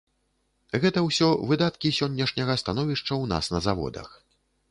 Гэта ўсё выдаткі сённяшняга становішча ў нас на заводах.